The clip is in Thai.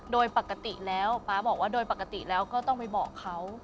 โดยปกติแล้วป๊าบอกว่าโดยปกติแล้วก็ต้องไปบอกเขา